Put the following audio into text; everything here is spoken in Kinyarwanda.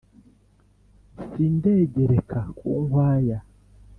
sindigereka ku nkwaya